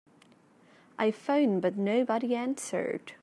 I phoned but nobody answered.